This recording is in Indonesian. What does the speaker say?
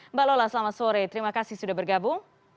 mbak lola selamat sore terima kasih sudah bergabung